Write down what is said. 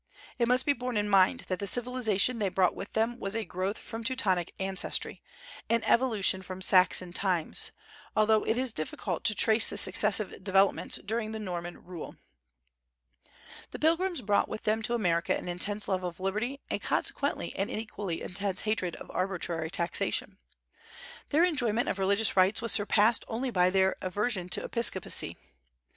It must be borne in mind that the civilization they brought with them was a growth from Teutonic ancestry, an evolution from Saxon times, although it is difficult to trace the successive developments during the Norman rule. The Pilgrims brought with them to America an intense love of liberty, and consequently an equally intense hatred of arbitrary taxation. Their enjoyment of religious rights was surpassed only by their aversion to Episcopacy.